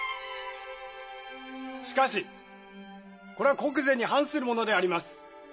しかしこれは国是に反するものであります。